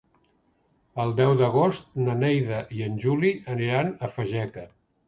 El deu d'agost na Neida i en Juli aniran a Fageca.